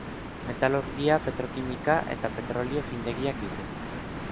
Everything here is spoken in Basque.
Metalurgia, petrokimika eta petrolio findegiak ditu.